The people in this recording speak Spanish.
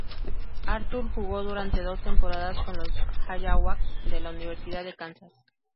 Arthur jugó durante dos temporadas con los "Jayhawks" de la Universidad de Kansas.